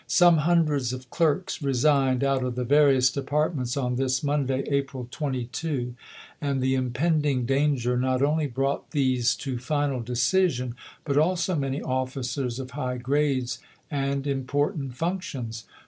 Some hundreds of clerks re signed out of the various departments on this Monday, April 22, and the impending danger not only brought these to final decision, but also many ofi&cers of high grades and important functions.